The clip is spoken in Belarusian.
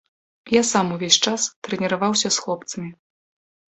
Я сам увесь час трэніраваўся з хлопцамі.